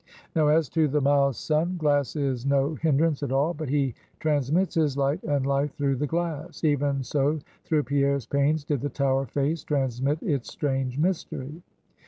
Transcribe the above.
Now as to the mild sun, glass is no hindrance at all, but he transmits his light and life through the glass; even so through Pierre's panes did the tower face transmit its strange mystery.